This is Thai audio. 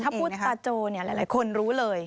ถ้าพูดตาโจหลายคนรู้เลย